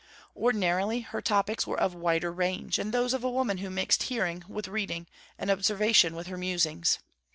Ordinarily her topics were of wider range, and those of a woman who mixed hearing with reading, and observation with her musings.